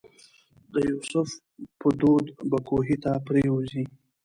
د یوسف په دود به کوهي ته پرېوځي.